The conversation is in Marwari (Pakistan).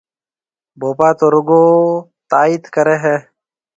ڀوپا تو رُگو تائيٿ ڪريَ هيَ۔